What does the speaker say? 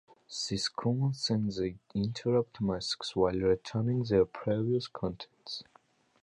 These commands set the interrupt masks, while returning their previous contents.